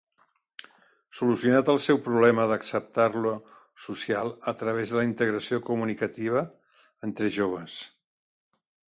Solucionat el seu problema d'acceptar-lo social a través de la integració comunicativa entre joves.